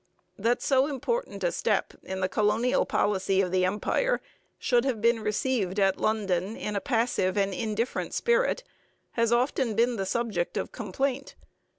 That so important a step in the colonial policy of the Empire should have been received at London in a passive and indifferent spirit has often been the subject of complaint.